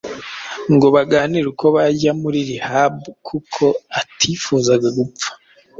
ngo baganire uko yajya muri 'rehab' kuko atifuzaga gupfa.